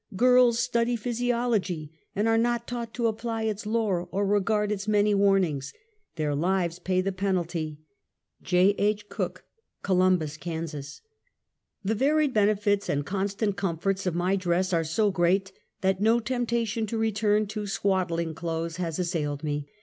Grirls study physiol ogy and are not taught to apply its lore or regard its many warnings. Their lives pay the penalty. J. H. Cook, Columbus, Kan. SOCIAL EVIL. 103 The varied benefits and constant comforts of my dress are so great that no temptation to retnrn to swaddhng clothes has assailed me.